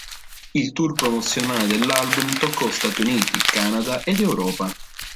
Il tour promozionale dell'album toccò Stati Uniti, Canada ed Europa.